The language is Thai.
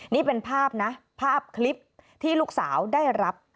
นี่เป็นภาพนะภาพคลิปที่ลูกสาวได้รับ